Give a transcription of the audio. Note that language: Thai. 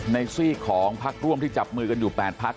ซีกของพักร่วมที่จับมือกันอยู่๘พัก